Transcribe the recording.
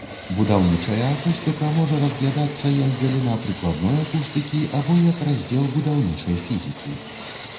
Будаўнічая акустыка можа разглядацца як галіна прыкладной акустыкі, або як раздзел будаўнічай фізікі.